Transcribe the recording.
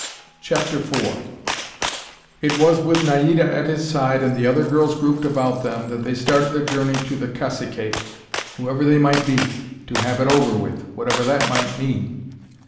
CHAPTER IV It was with Naida at his side and the other girls grouped about them, that they started their journey to the "caciques," whoever they might be, "to have it over with," whatever that might mean.